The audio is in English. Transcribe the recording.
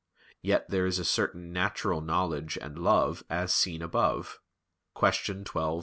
Yet there is a certain natural knowledge and love as seen above (Q. 12, A.